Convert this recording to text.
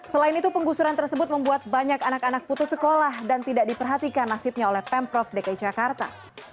selain itu penggusuran tersebut membuat banyak anak anak putus sekolah dan tidak diperhatikan nasibnya oleh pemprov dki jakarta